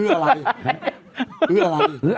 เอออะไร